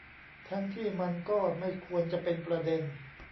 ทั้งที่มันก็ไม่ควรจะเป็นประเด็น